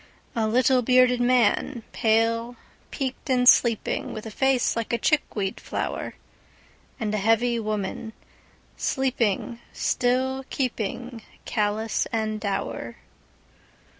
A little, bearded man, pale, peaked in sleeping, With a face like a chickweed flower. And a heavy woman, sleeping still keepingCallous and dour.